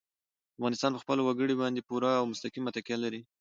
افغانستان په خپلو وګړي باندې پوره او مستقیمه تکیه لري.